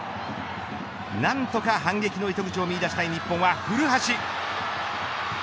何とか反撃の糸口を見いだしたい日本は古橋。